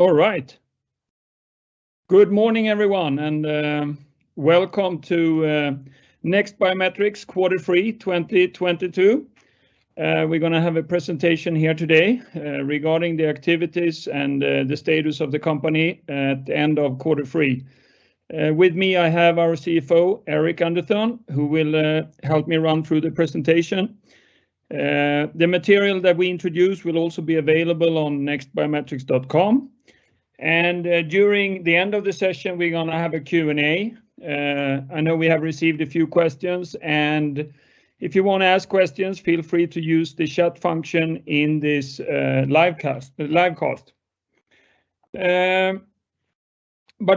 All right. Good morning, everyone, and welcome to NEXT Biometrics Quarter Three 2022. We're gonna have a presentation here today regarding the activities and the status of the company at the end of quarter three. With me I have our CFO, Eirik Underthun, who will help me run through the presentation. The material that we introduce will also be available on nextbiometrics.com, and during the end of the session, we're gonna have a Q&A. I know we have received a few questions, and if you wanna ask questions, feel free to use the chat function in this live cast.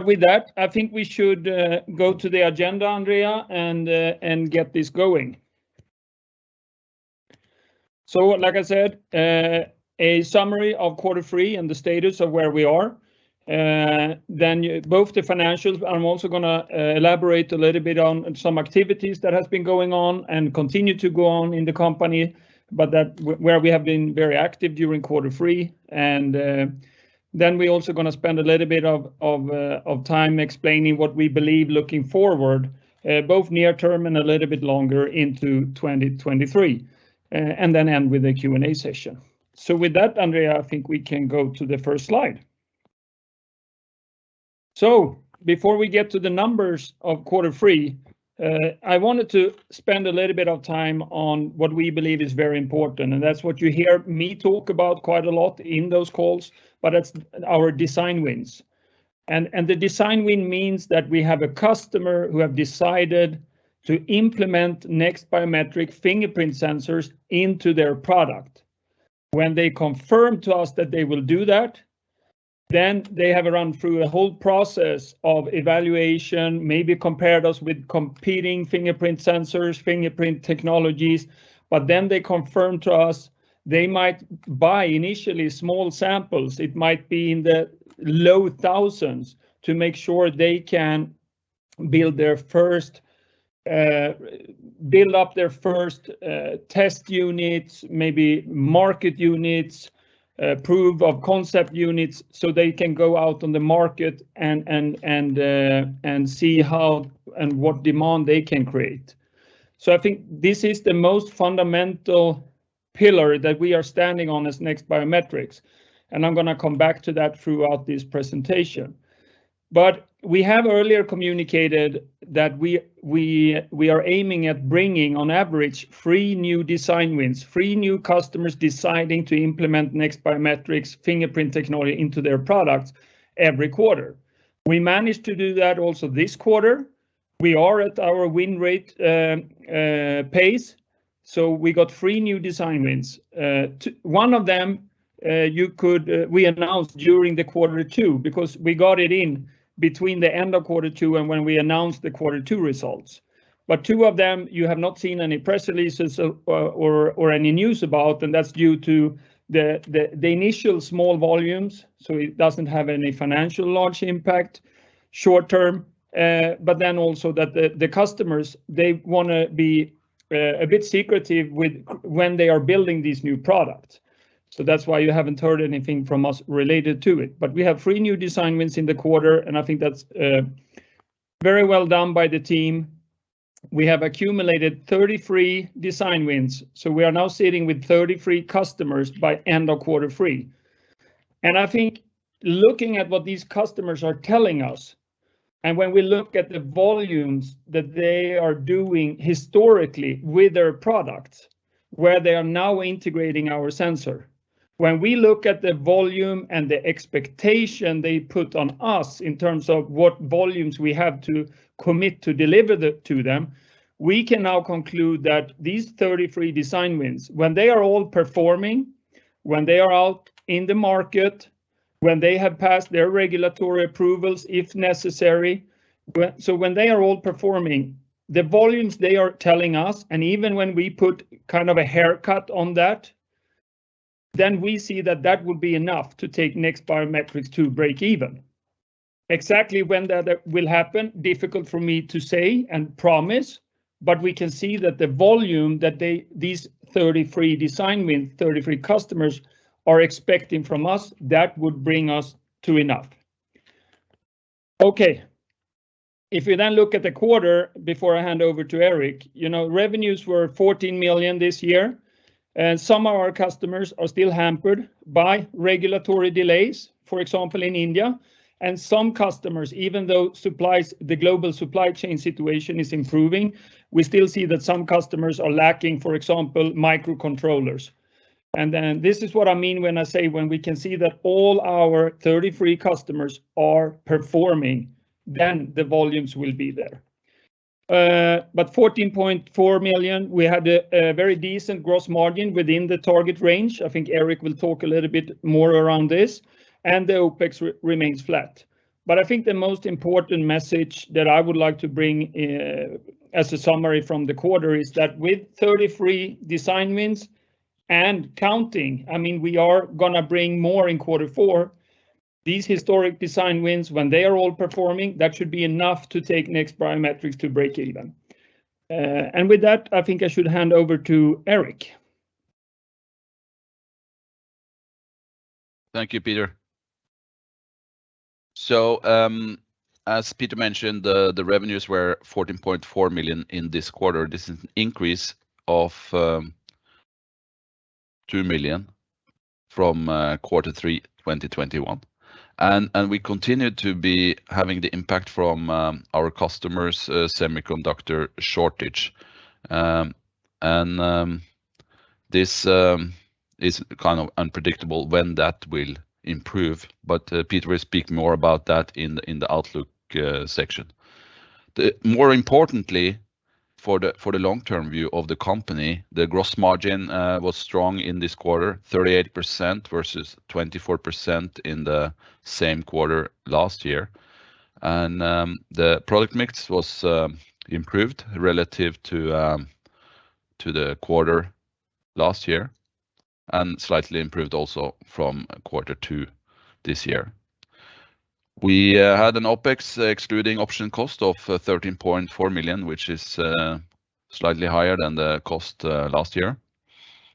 With that, I think we should go to the agenda, Andrea, and get this going. Like I said, a summary of quarter three and the status of where we are. Both the financials, but I'm also gonna elaborate a little bit on some activities that has been going on and continue to go on in the company, but that's where we have been very active during quarter three. We're also gonna spend a little bit of time explaining what we believe looking forward, both near term and a little bit longer into 2023, and then end with a Q&A session. With that, Andrea, I think we can go to the first slide. Before we get to the numbers of quarter three, I wanted to spend a little bit of time on what we believe is very important, and that's what you hear me talk about quite a lot in those calls, but that's our design wins. The design win means that we have a customer who have decided to implement NEXT Biometrics fingerprint sensors into their product. When they confirm to us that they will do that, then they have run through a whole process of evaluation, maybe compared us with competing fingerprint sensors, fingerprint technologies, but then they confirm to us they might buy initially small samples, it might be in the low thousands, to make sure they can build up their first test units, maybe market units, proof of concept units, so they can go out on the market and see how and what demand they can create. I think this is the most fundamental pillar that we are standing on as NEXT Biometrics, and I'm gonna come back to that throughout this presentation. We have earlier communicated that we are aiming at bringing, on average, three new design wins, three new customers deciding to implement NEXT Biometrics fingerprint technology into their products every quarter. We managed to do that also this quarter. We are at our win rate, pace, so we got three new design wins. One of them we announced during the quarter two because we got it in between the end of quarter two and when we announced the quarter two results. Two of them, you have not seen any press releases, or any news about, and that's due to the initial small volumes, so it doesn't have any financial large impact short term, but then also that the customers, they wanna be a bit secretive with, when they are building these new products. That's why you haven't heard anything from us related to it. We have three new design wins in the quarter, and I think that's very well done by the team. We have accumulated 33 design wins, so we are now sitting with 33 customers by end of quarter three. I think looking at what these customers are telling us, and when we look at the volumes that they are doing historically with their products, where they are now integrating our sensor, when we look at the volume and the expectation they put on us in terms of what volumes we have to commit to deliver it to them, we can now conclude that these 33 design wins, when they are all performing, when they are out in the market, when they have passed their regulatory approvals, if necessary, so when they are all performing, the volumes they are telling us, and even when we put kind of a haircut on that, then we see that that would be enough to take NEXT Biometrics to break even. Exactly when that will happen, difficult for me to say and promise, but we can see that the volume that they, these 33 design wins, 33 customers, are expecting from us, that would bring us to enough. Okay. If you then look at the quarter before I hand over to Eirik, you know, revenues were 14 million this year, and some of our customers are still hampered by regulatory delays, for example, in India, and some customers, even though supplies, the global supply chain situation is improving, we still see that some customers are lacking, for example, microcontrollers. Then this is what I mean when I say when we can see that all our 33 customers are performing, then the volumes will be there. 14.4 million, we had a very decent gross margin within the target range. I think Eirik will talk a little bit more around this, and the OpEx remains flat. I think the most important message that I would like to bring as a summary from the quarter is that with 33 design wins and counting, I mean, we are gonna bring more in quarter four. These historic design wins when they are all performing, that should be enough to take NEXT Biometrics to break even. With that, I think I should hand over to Eirik. Thank you, Peter. As Peter mentioned, the revenues were 14.4 million in this quarter. This is an increase of 2 million from quarter three, 2021. We continue to be having the impact from our customers' semiconductor shortage. This is kind of unpredictable when that will improve. Peter will speak more about that in the outlook section. More importantly, for the long-term view of the company, the gross margin was strong in this quarter, 38% versus 24% in the same quarter last year. The product mix was improved relative to the quarter last year and slightly improved also from quarter two this year. We had an OpEx excluding option cost of 13.4 million, which is slightly higher than the cost last year.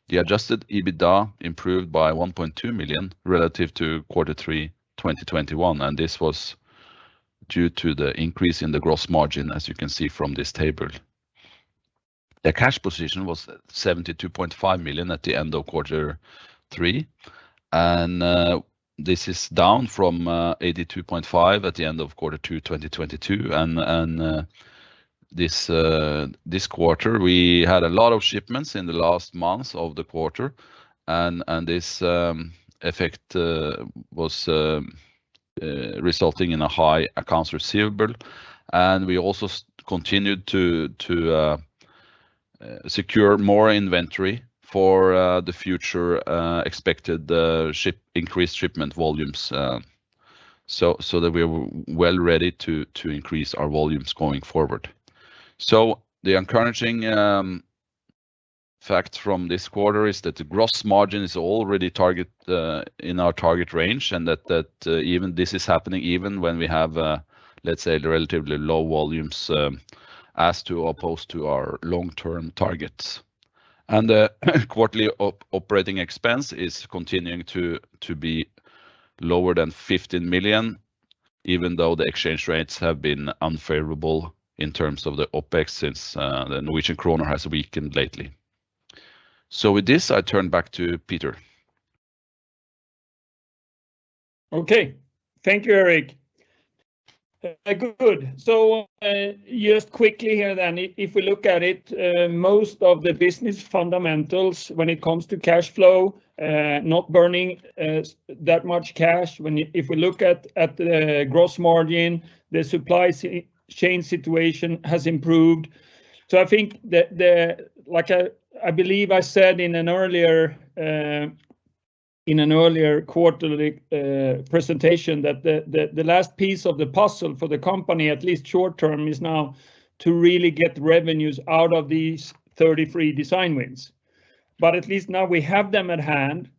The adjusted EBITDA improved by 1.2 million relative to quarter three, 2021, and this was due to the increase in the gross margin, as you can see from this table. The cash position was 72.5 million at the end of quarter three, and this is down from 82.5 million at the end of quarter two, 2022. This quarter, we had a lot of shipments in the last months of the quarter, and this effect was resulting in a high accounts receivable. We also continued to secure more inventory for the future expected increased shipment volumes so that we're well ready to increase our volumes going forward. The encouraging fact from this quarter is that the gross margin is already target in our target range, and that even this is happening even when we have let's say the relatively low volumes as opposed to our long-term targets. The quarterly operating expense is continuing to be lower than 15 million, even though the exchange rates have been unfavorable in terms of the OpEx since the Norwegian kroner has weakened lately. With this, I turn back to Peter. Okay. Thank you, Eirik. Good. Just quickly here then, if we look at it, most of the business fundamentals when it comes to cash flow, not burning that much cash. If we look at the gross margin, the supply chain situation has improved. I think, like I believe I said in an earlier quarterly presentation that the last piece of the puzzle for the company, at least short-term, is now to really get revenues out of these 33 design wins. At least now we have them at hand,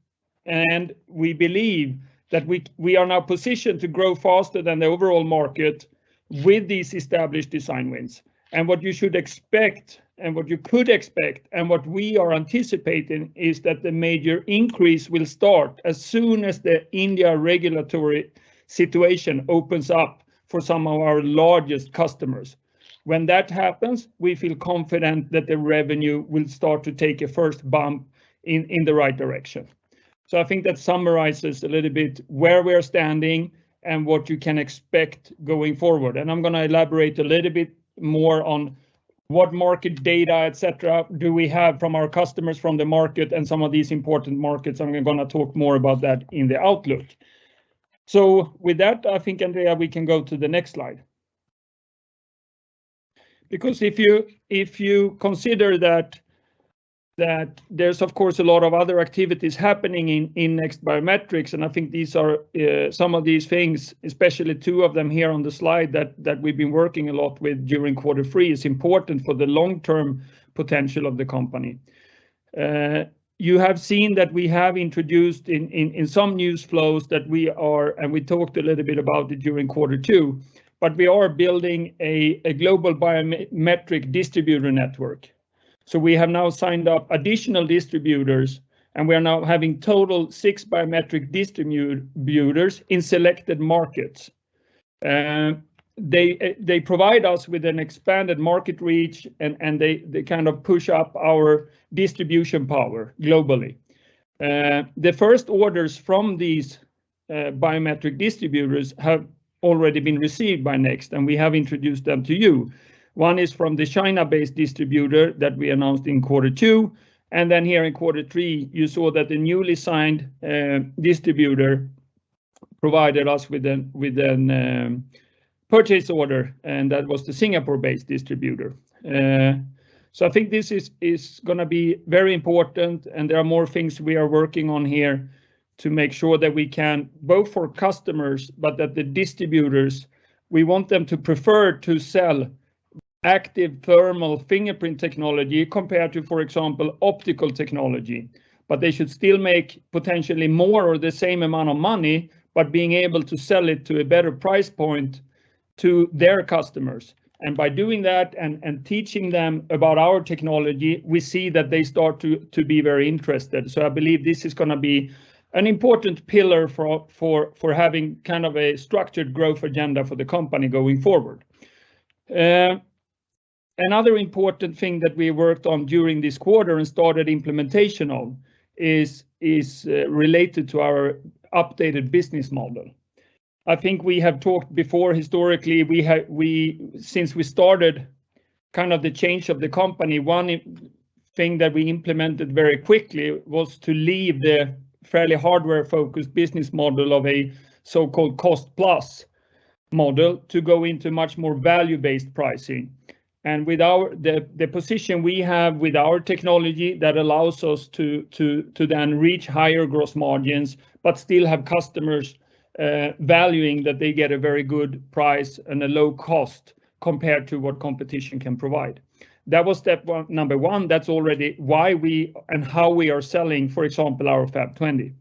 and we believe that we are now positioned to grow faster than the overall market with these established design wins. What you should expect and what you could expect and what we are anticipating is that the major increase will start as soon as the India regulatory situation opens up for some of our largest customers. When that happens, we feel confident that the revenue will start to take a first bump in the right direction. I think that summarizes a little bit where we're standing and what you can expect going forward. I'm gonna elaborate a little bit more on what market data, et cetera, do we have from our customers from the market and some of these important markets, and we're gonna talk more about that in the outlook. With that, I think, Andrea, we can go to the next slide. Because if you consider that there's, of course, a lot of other activities happening in NEXT Biometrics, and I think these are some of these things, especially two of them here on the slide that we've been working a lot with during quarter three, is important for the long-term potential of the company. You have seen that we have introduced in some news flows that we are, and we talked a little bit about it during quarter two, but we are building a global biometric distributor network. We have now signed up additional distributors, and we are now having total six biometric distributors in selected markets. They provide us with an expanded market reach and they kind of push up our distribution power globally. The first orders from these biometric distributors have already been received by NEXT, and we have introduced them to you. One is from the China-based distributor that we announced in quarter two, and then here in quarter three, you saw that the newly signed distributor provided us with a purchase order, and that was the Singapore-based distributor. I think this is gonna be very important, and there are more things we are working on here to make sure that we can both for customers, but that the distributors, we want them to prefer to sell Active Thermal fingerprint technology compared to, for example, optical technology. They should still make potentially more or the same amount of money, but being able to sell it to a better price point to their customers. By doing that and teaching them about our technology, we see that they start to be very interested. I believe this is gonna be an important pillar for having kind of a structured growth agenda for the company going forward. Another important thing that we worked on during this quarter and started implementation on is related to our updated business model. I think we have talked before, historically, since we started kind of the change of the company, one thing that we implemented very quickly was to leave the fairly hardware-focused business model of a so-called cost-plus model to go into much more value-based pricing. The position we have with our technology that allows us to then reach higher gross margins but still have customers valuing that they get a very good price and a low cost compared to what competition can provide. That was step one, number one. That's already why we and how we are selling, for example, our FAP20.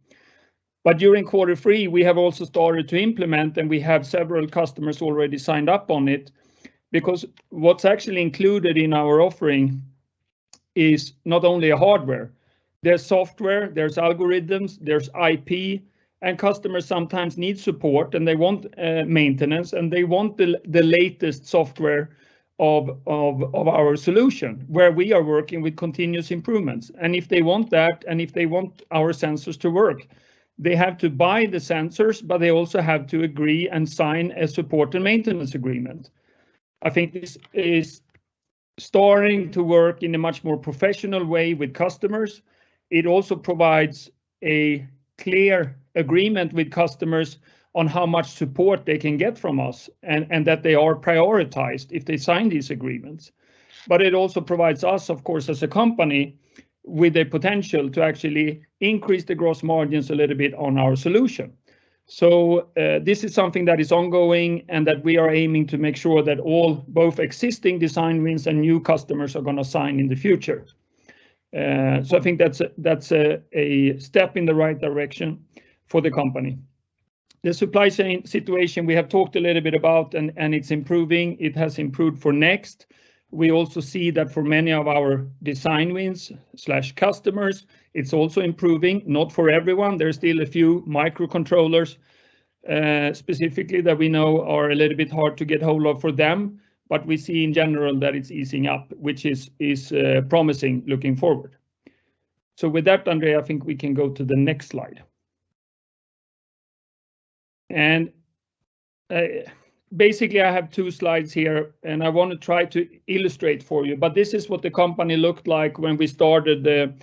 During quarter three, we have also started to implement, and we have several customers already signed up on it, because what's actually included in our offering is not only a hardware. There's software, there's algorithms, there's IP, and customers sometimes need support, and they want maintenance, and they want the latest software of our solution, where we are working with continuous improvements. If they want that, and if they want our sensors to work, they have to buy the sensors, but they also have to agree and sign a support and maintenance agreement. I think this is starting to work in a much more professional way with customers. It also provides a clear agreement with customers on how much support they can get from us and that they are prioritized if they sign these agreements. But it also provides us, of course, as a company, with the potential to actually increase the gross margins a little bit on our solution. This is something that is ongoing and that we are aiming to make sure that all, both existing design wins and new customers are gonna sign in the future. I think that's a step in the right direction for the company. The supply chain situation, we have talked a little bit about, and it's improving. It has improved for NEXT. We also see that for many of our design wins/customers, it's also improving, not for everyone. There's still a few microcontrollers, specifically that we know are a little bit hard to get a hold of for them. We see in general that it's easing up, which is promising looking forward. With that, Andrea, I think we can go to the next slide. Basically, I have two slides here, and I wanna try to illustrate for you. This is what the company looked like when we started the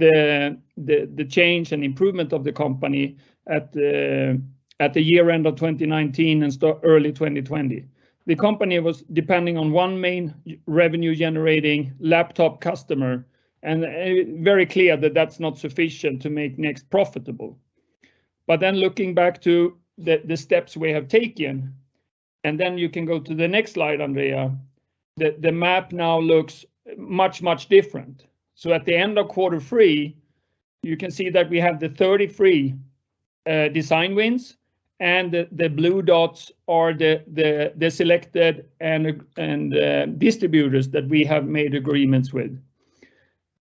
change and improvement of the company at the year end of 2019 and so early 2020. The company was depending on one main revenue-generating laptop customer, and very clear that that's not sufficient to make NEXT profitable. Looking back to the steps we have taken, and then you can go to the next slide, Andrea, the map now looks much, much different. At the end of quarter three, you can see that we have the 33 design wins, and the blue dots are the selected and distributors that we have made agreements with.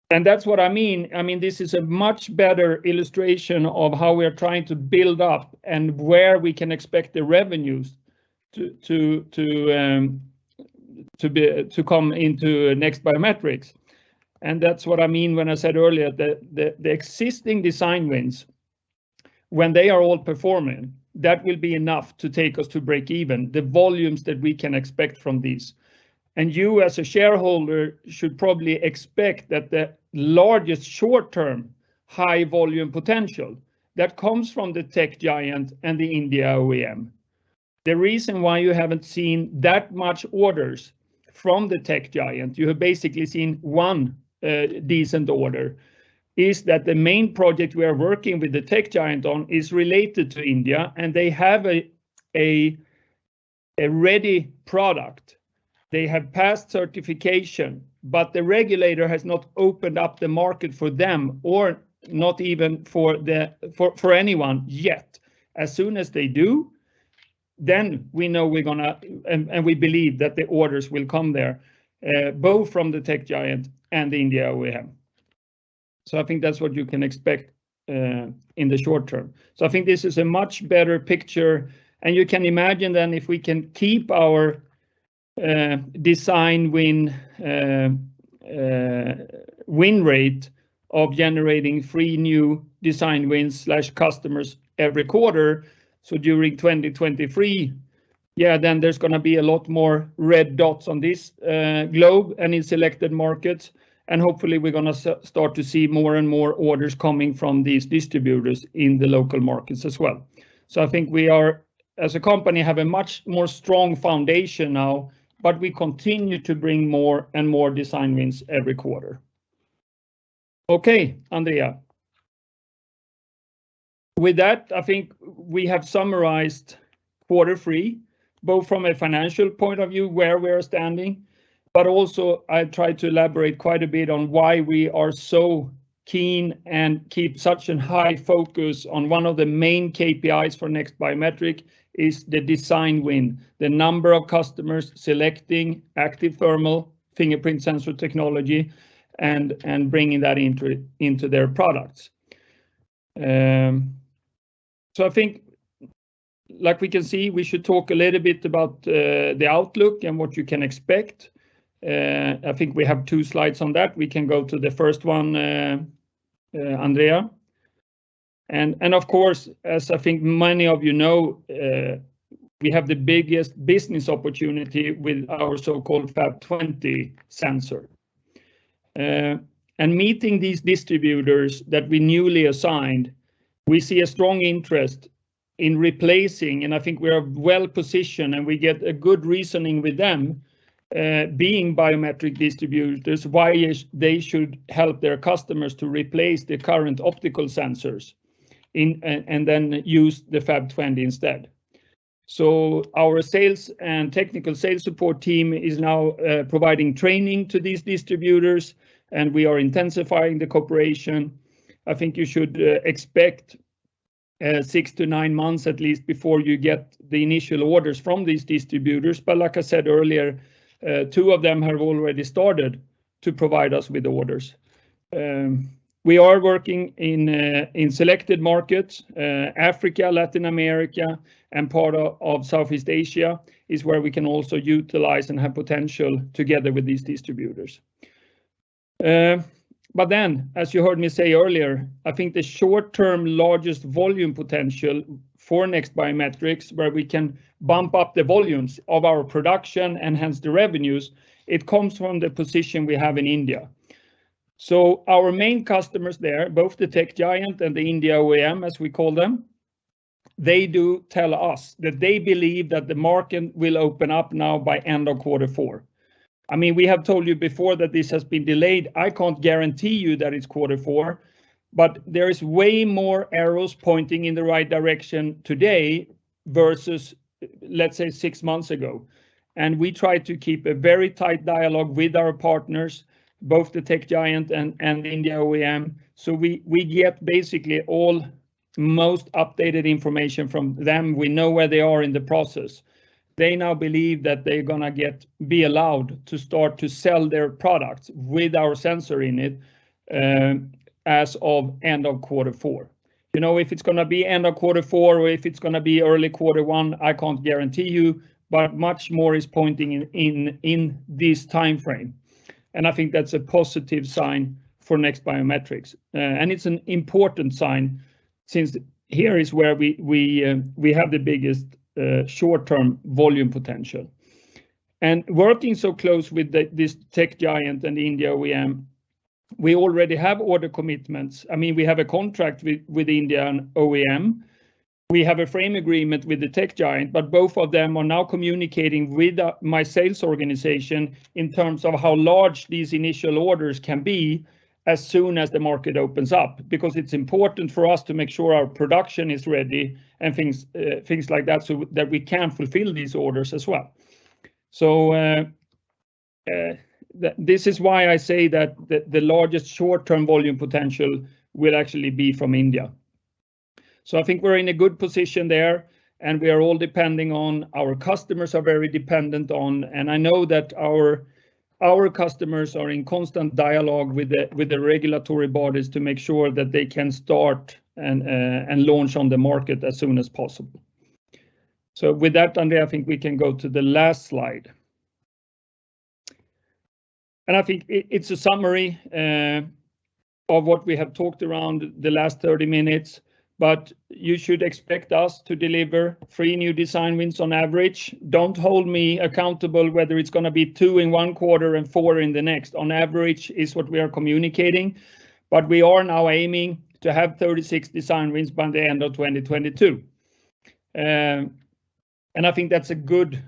That's what I mean. I mean, this is a much better illustration of how we are trying to build up and where we can expect the revenues to come into NEXT Biometrics. That's what I mean when I said earlier the existing design wins, when they are all performing, that will be enough to take us to break even, the volumes that we can expect from these. You, as a shareholder, should probably expect that the largest short-term, high-volume potential that comes from the tech giant and the India OEM. The reason why you haven't seen that many orders from the tech giant, you have basically seen one decent order, is that the main project we are working with the tech giant on is related to India, and they have a ready product. They have passed certification, but the regulator has not opened up the market for them or not even for anyone yet. As soon as they do, then we know we're gonna and we believe that the orders will come there, both from the tech giant and the India OEM. I think that's what you can expect in the short term. I think this is a much better picture. You can imagine then if we can keep our design win rate of generating three new design wins/customers every quarter, during 2023, then there's gonna be a lot more red dots on this globe and in selected markets. Hopefully, we're gonna start to see more and more orders coming from these distributors in the local markets as well. I think we are, as a company, have a much more strong foundation now, but we continue to bring more and more design wins every quarter. Okay, Andrea. With that, I think we have summarized quarter three, both from a financial point of view, where we are standing, but also I tried to elaborate quite a bit on why we are so keen and keep such a high focus on one of the main KPIs for NEXT Biometrics is the design win, the number of customers selecting Active Thermal fingerprint sensor technology and bringing that into their products. I think, like we can see, we should talk a little bit about the outlook and what you can expect. I think we have two slides on that. We can go to the first one, Andrea. Of course, as I think many of you know, we have the biggest business opportunity with our so-called FAP20 sensor. Meeting these distributors that we newly assigned, we see a strong interest in replacing, and I think we are well-positioned, and we get a good reasoning with them, being biometric distributors, why they should help their customers to replace the current optical sensors and then use the FAP20 instead. Our sales and technical sales support team is now providing training to these distributors, and we are intensifying the cooperation. I think you should expect six to nine months at least before you get the initial orders from these distributors. Like I said earlier, two of them have already started to provide us with orders. We are working in selected markets, Africa, Latin America, and part of Southeast Asia is where we can also utilize and have potential together with these distributors. As you heard me say earlier, I think the short-term largest volume potential for NEXT Biometrics, where we can bump up the volumes of our production and hence the revenues, it comes from the position we have in India. Our main customers there, both the tech giant and the India OEM, as we call them, they do tell us that they believe that the market will open up now by end of quarter four. I mean, we have told you before that this has been delayed. I can't guarantee you that it's quarter four, but there is way more arrows pointing in the right direction today versus, let's say, six months ago. We try to keep a very tight dialogue with our partners, both the tech giant and India OEM. We get basically almost updated information from them. We know where they are in the process. They now believe that they're gonna be allowed to start to sell their products with our sensor in it as of end of quarter four. You know, if it's gonna be end of quarter four, or if it's gonna be early quarter one, I can't guarantee you, but much more is pointing in this timeframe. I think that's a positive sign for NEXT Biometrics. It's an important sign since here is where we have the biggest short-term volume potential. Working so close with this tech giant and India OEM, we already have order commitments. I mean, we have a contract with Indian OEM. We have a frame agreement with the tech giant, but both of them are now communicating with my sales organization in terms of how large these initial orders can be as soon as the market opens up, because it's important for us to make sure our production is ready and things like that, so that we can fulfill these orders as well. This is why I say that the largest short-term volume potential will actually be from India. I think we're in a good position there, and we are all depending on, our customers are very dependent on, and I know that our customers are in constant dialogue with the regulatory bodies to make sure that they can start and launch on the market as soon as possible. With that, Andrea, I think we can go to the last slide. I think it's a summary of what we have talked about the last 30 minutes, but you should expect us to deliver three new design wins on average. Don't hold me accountable whether it's gonna be two in one quarter and four in the next. On average is what we are communicating, but we are now aiming to have 36 design wins by the end of 2022. I think that's a good,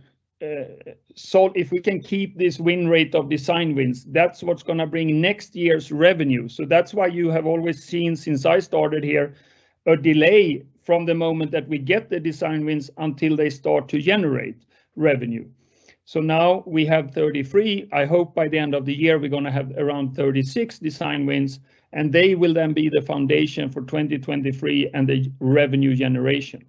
so if we can keep this win rate of design wins, that's what's gonna bring next year's revenue. That's why you have always seen since I started here, a delay from the moment that we get the design wins until they start to generate revenue. Now we have 33. I hope by the end of the year, we're gonna have around 36 design wins, and they will then be the foundation for 2023 and the revenue generation.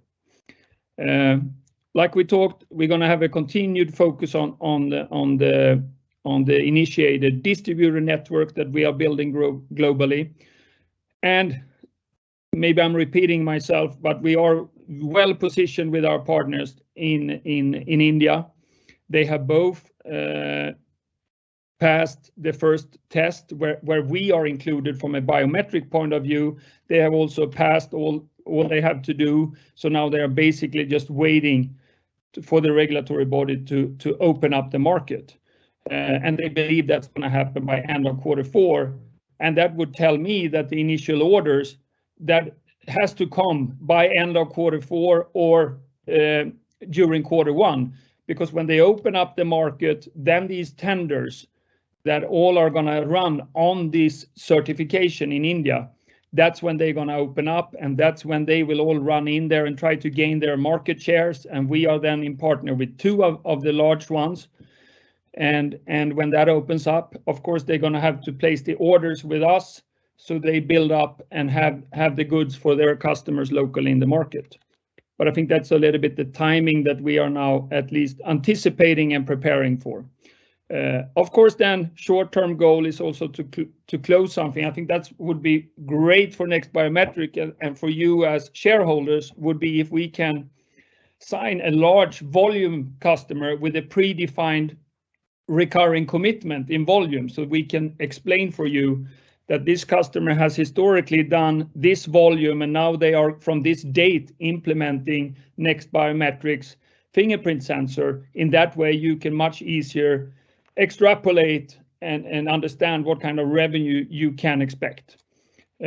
Like we talked, we're gonna have a continued focus on the initiated distributor network that we are building globally. Maybe I'm repeating myself, but we are well-positioned with our partners in India. They have both passed the first test where we are included from a biometric point of view. They have also passed all they have to do. Now they are basically just waiting for the regulatory body to open up the market, and they believe that's gonna happen by end of quarter four. That would tell me that the initial orders that has to come by end of quarter four or during quarter one, because when they open up the market, then these tenders that all are gonna run on this certification in India. That's when they're gonna open up, and that's when they will all run in there and try to gain their market shares, and we are then in partnership with two of the large ones. When that opens up, of course, they're gonna have to place the orders with us so they build up and have the goods for their customers locally in the market. I think that's a little bit the timing that we are now at least anticipating and preparing for. Of course, short-term goal is also to close something. I think that would be great for NEXT Biometrics and for you as shareholders if we can sign a large volume customer with a predefined recurring commitment in volume so we can explain for you that this customer has historically done this volume and now they are from this date implementing NEXT Biometrics' fingerprint sensor. In that way, you can much easier extrapolate and understand what kind of revenue you can expect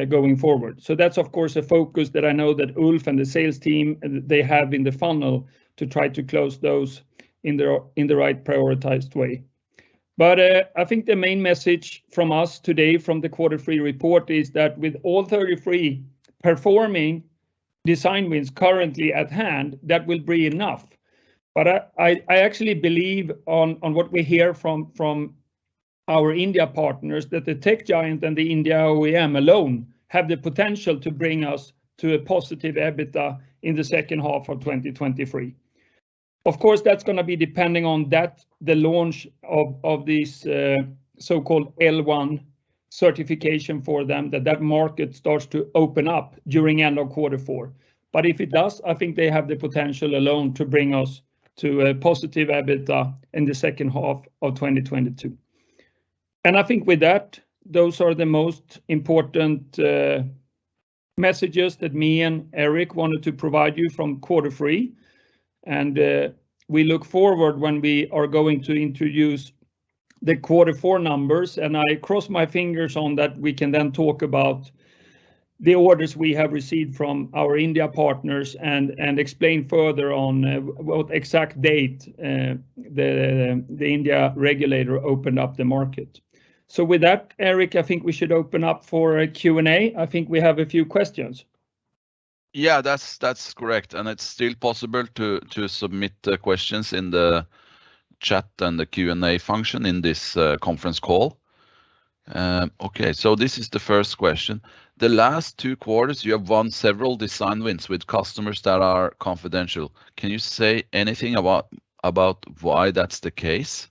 going forward. That's of course a focus that I know Ulf and the sales team they have in the funnel to try to close those in the right prioritized way. I think the main message from us today from the quarter three report is that with all 33 performing design wins currently at hand, that will be enough. I actually believe on what we hear from our India partners that the tech giant and the India OEM alone have the potential to bring us to a positive EBITDA in the second half of 2023. Of course, that's gonna be depending on the launch of this so-called L1 certification for them, that market starts to open up during end of quarter four. If it does, I think they have the potential alone to bring us to a positive EBITDA in the second half of 2022. I think with that, those are the most important messages that me and Eirik wanted to provide you from quarter three, and we look forward when we are going to introduce the quarter four numbers. I cross my fingers on that we can then talk about the orders we have received from our India partners and explain further on what exact date the India regulator opened up the market. With that, Eirik, I think we should open up for a Q&A. I think we have a few questions. Yeah, that's correct, and it's still possible to submit questions in the chat and the Q&A function in this conference call. Okay, this is the first question. The last two quarters you have won several design wins with customers that are confidential. Can you say anything about why that's the case?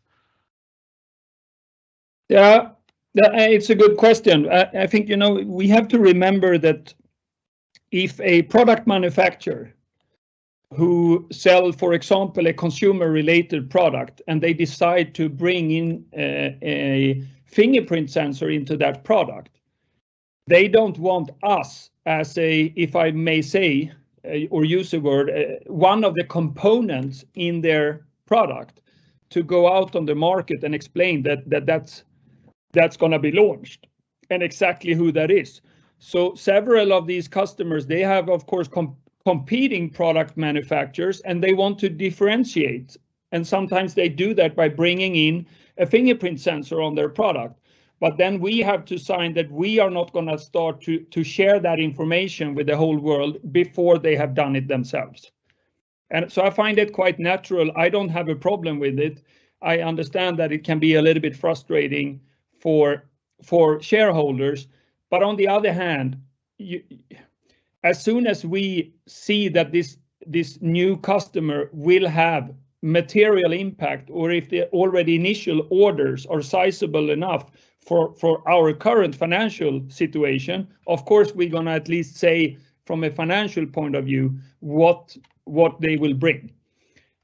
Yeah. Yeah, it's a good question. I think, you know, we have to remember that if a product manufacturer who sell, for example, a consumer-related product and they decide to bring in a fingerprint sensor into that product, they don't want us as a, if I may say, or use a word, one of the components in their product to go out on the market and explain that that's gonna be launched and exactly who that is. Several of these customers, they have, of course, competing product manufacturers, and they want to differentiate, and sometimes they do that by bringing in a fingerprint sensor on their product. We have to sign that we are not gonna start to share that information with the whole world before they have done it themselves. I find it quite natural. I don't have a problem with it. I understand that it can be a little bit frustrating for shareholders. On the other hand, as soon as we see that this new customer will have material impact or if the already initial orders are sizable enough for our current financial situation, of course, we're gonna at least say from a financial point of view what they will bring.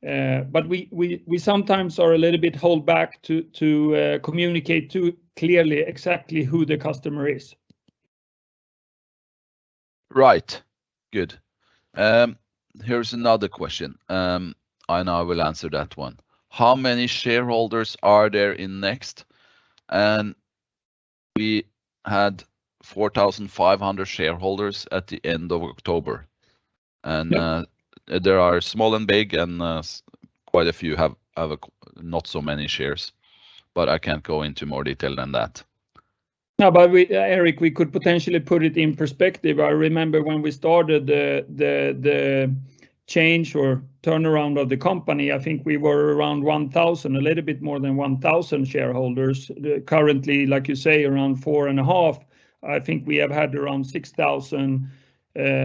We sometimes are a little bit held back to communicate too clearly exactly who the customer is. Here's another question. I now will answer that one. How many shareholders are there in NEXT? We had 4,500 shareholders at the end of October. Yeah. There are small and big and quite a few have a not so many shares. I can't go into more detail than that. No, but we, Eirik, we could potentially put it in perspective. I remember when we started the change or turnaround of the company. I think we were around 1,000, a little bit more than 1,000 shareholders. Currently, like you say, around 4.5. I think we have had around 6,000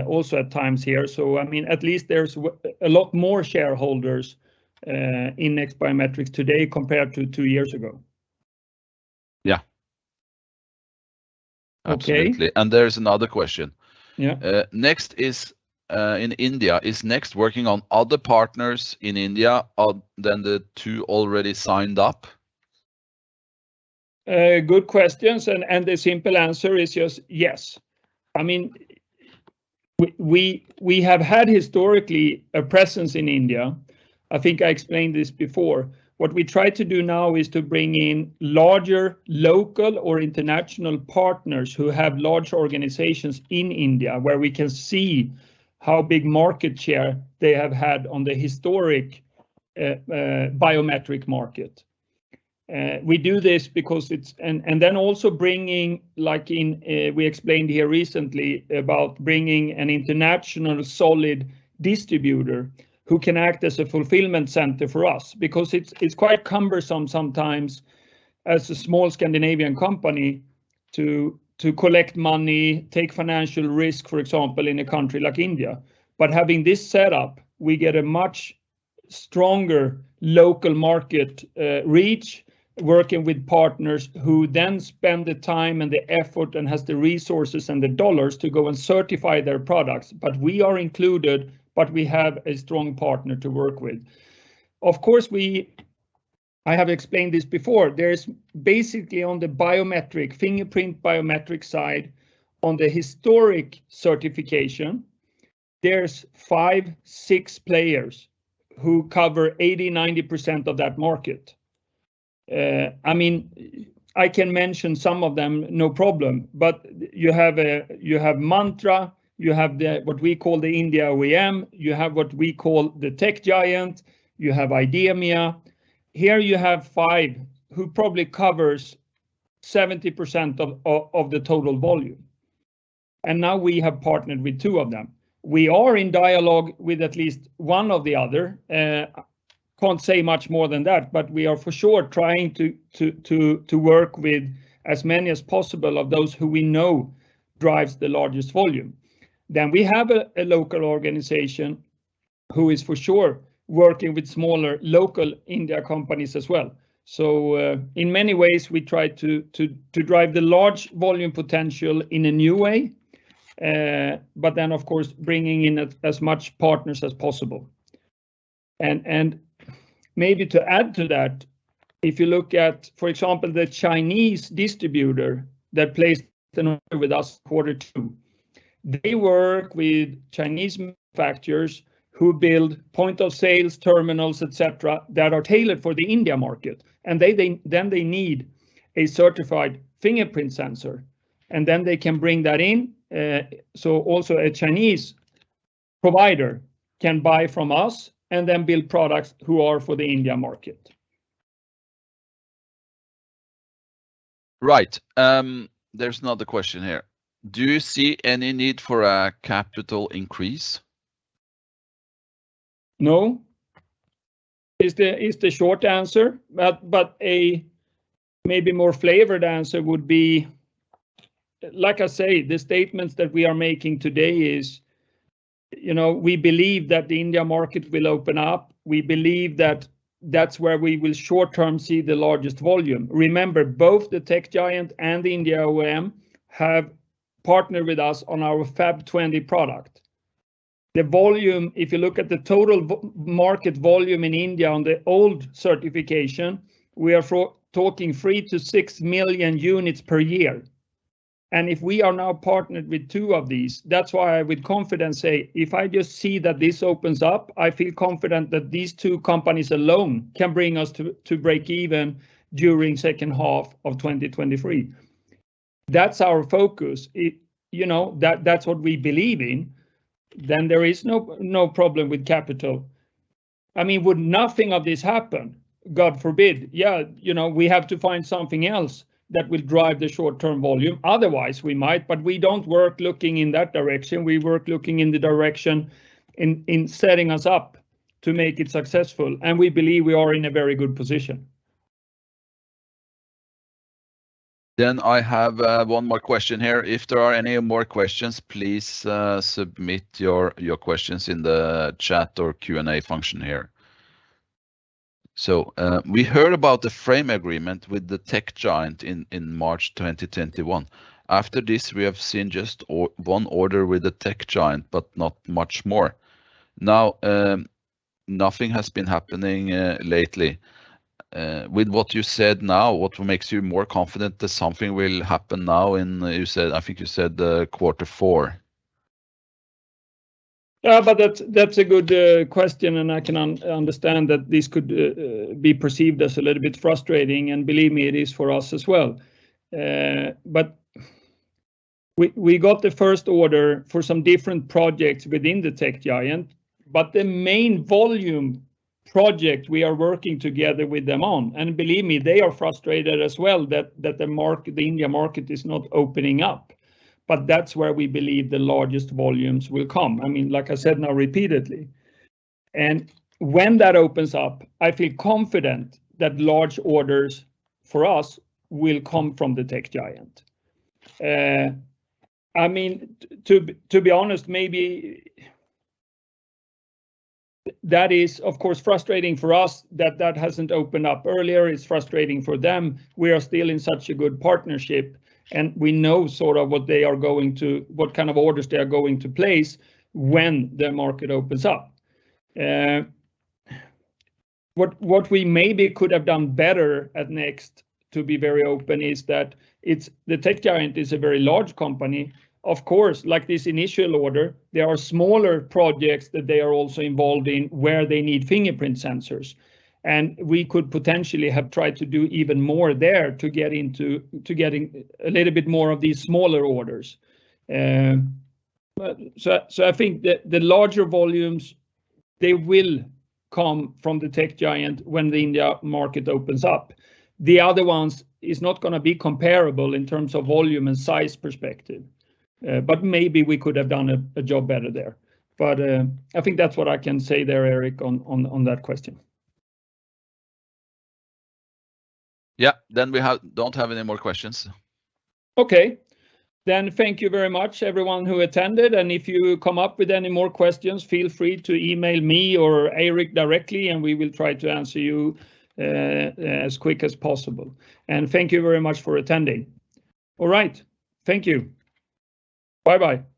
also at times here. I mean, at least there's a lot more shareholders in NEXT Biometrics today compared to two years ago. Yeah. Okay. Absolutely. There's another question. Yeah. NEXT is in India. Is NEXT working on other partners in India other than the two already signed up? Good questions, the simple answer is just yes. I mean, we have had historically a presence in India. I think I explained this before. What we try to do now is to bring in larger local or international partners who have large organizations in India where we can see how big market share they have had in the historical biometric market. We do this, then also bringing, like in, we explained here recently about bringing an international solid distributor who can act as a fulfillment center for us because it's quite cumbersome sometimes as a small Scandinavian company to collect money, take financial risk, for example, in a country like India. Having this set up, we get a much stronger local market reach, working with partners who then spend the time, and the effort, and has the resources and the dollars to go and certify their products. We are included, but we have a strong partner to work with. Of course, I have explained this before. There is basically on the biometric, fingerprint biometric side, on the historic certification, there's five, six players who cover 80%-90% of that market. I mean, I can mention some of them, no problem. You have Mantra, you have the, what we call the India OEM, you have what we call the tech giant, you have IDEMIA. Here you have five who probably covers 70% of the total volume, and now we have partnered with two of them. We are in dialogue with at least one of the other. Can't say much more than that, but we are for sure trying to work with as many as possible of those who we know drives the largest volume. We have a local organization who is for sure working with smaller local Indian companies as well. In many ways we try to drive the large volume potential in a new way, but then of course bringing in as many partners as possible. Maybe to add to that, if you look at, for example, the Chinese distributor that placed an order with us quarter two, they work with Chinese manufacturers who build point-of-sale terminals, et cetera, that are tailored for the Indian market. They need a certified fingerprint sensor, and then they can bring that in. Also a Chinese provider can buy from us and then build products who are for the India market. Right. There's another question here. Do you see any need for a capital increase? No, is the short answer, but a maybe more flavored answer would be, like I say, the statements that we are making today is, you know, we believe that the India market will open up. We believe that that's where we will short-term see the largest volume. Remember, both the tech giant and the India OEM have partnered with us on our FAP20 product. The volume, if you look at the total market volume in India on the old certification, we are talking 3-6 million units per year. If we are now partnered with two of these, that's why I, with confidence say if I just see that this opens up, I feel confident that these two companies alone can bring us to break even during second half of 2023. That's our focus. It. You know, that's what we believe in. There is no problem with capital. I mean, would nothing of this happen, God forbid, yeah, you know, we have to find something else that will drive the short-term volume. Otherwise, we might, but we don't work looking in that direction. We work looking in the direction in setting us up to make it successful, and we believe we are in a very good position. I have one more question here. If there are any more questions, please submit your questions in the chat or Q&A function here. We heard about the framework agreement with the tech giant in March 2021. After this, we have seen just one order with the tech giant, but not much more. Now, nothing has been happening lately. With what you said now, what makes you more confident that something will happen now in, you said, I think you said, quarter four? That's a good question, and I can understand that this could be perceived as a little bit frustrating, and believe me, it is for us as well. We got the first order for some different projects within the tech giant, but the main volume project we are working together with them on, and believe me, they are frustrated as well that the market, the Indian market is not opening up, but that's where we believe the largest volumes will come, I mean, like I said now repeatedly. When that opens up, I feel confident that large orders for us will come from the tech giant. I mean, to be honest, maybe that is, of course, frustrating for us that hasn't opened up earlier. It's frustrating for them. We are still in such a good partnership, and we know sort of what they are going to, what kind of orders they are going to place when the market opens up. What we maybe could have done better at NEXT, to be very open, is that it's, the tech giant is a very large company. Of course, like this initial order, there are smaller projects that they are also involved in where they need fingerprint sensors, and we could potentially have tried to do even more there to get into, to getting a little bit more of these smaller orders. I think the larger volumes, they will come from the tech giant when the Indian market opens up. The other ones is not gonna be comparable in terms of volume and size perspective, but maybe we could have done a job better there. I think that's what I can say there, Eirik, on that question. Yeah. We don't have any more questions. Okay. Thank you very much everyone who attended, and if you come up with any more questions, feel free to email me or Eirik directly, and we will try to answer you, as quick as possible. Thank you very much for attending. All right. Thank you. Bye-bye.